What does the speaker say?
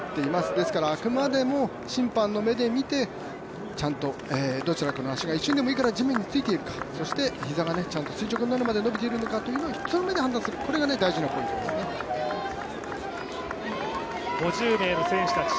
ですからあくまでも審判の目で見てちゃんとどちらかの足が一瞬でもいいから地面に着いているかちゃんと垂直になるまでのびているかを人の目で判断する、５０名の選手たち